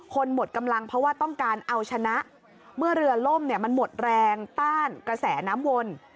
หมดกำลังเพราะว่าต้องการเอาชนะเมื่อเรือล่มเนี่ยมันหมดแรงต้านกระแสน้ำวน